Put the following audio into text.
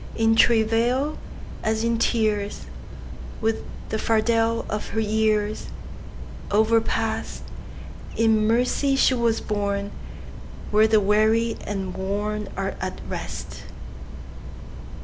In travail, as in tears, With the fardel of her yearsOverpast, In mercy she was borneWhere the weary and wornAre at rest.